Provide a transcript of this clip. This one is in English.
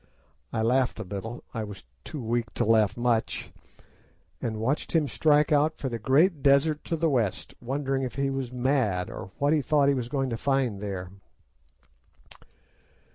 I laughed a little—I was too weak to laugh much—and watched him strike out for the great desert to the west, wondering if he was mad, or what he thought he was going to find there.